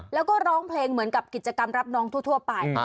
แล้วก็ร้องเพลงเหมือนกับกิจกรรมรับน้องทั่วไป